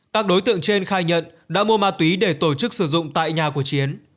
các đối tượng trên khai nhận đã mua ma túy để tổ chức sử dụng tại nhà của chiến